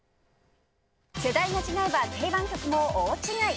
世代が違えば定番曲も大違い！